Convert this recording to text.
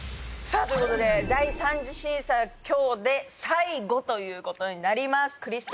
さぁということで第三次審査今日で最後ということになります。